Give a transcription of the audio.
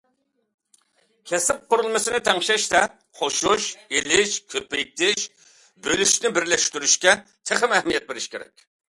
كەسىپ قۇرۇلمىسىنى تەڭشەشتە، قوشۇش- ئېلىش- كۆپەيتىش- بۆلۈشنى بىرلەشتۈرۈشكە تېخىمۇ ئەھمىيەت بېرىش كېرەك.